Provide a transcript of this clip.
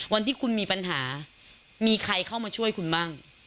วันที่คุณมีปัญหามีใครเข้ามาช่วยคุณบ้าง